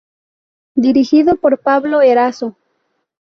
Dirigido por Pablo Erazo.